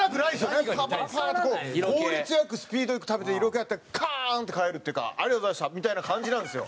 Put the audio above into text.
なんかパパパッてこう効率良くスピード良く食べて色気あってカーン！って帰るっていうか「ありがとうございました」みたいな感じなんですよ。